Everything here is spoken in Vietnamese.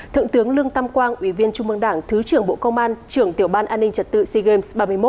thượng tướng lương tam quang ủy viên trung mương đảng thứ trưởng bộ công an trưởng tiểu ban an ninh trật tự sea games ba mươi một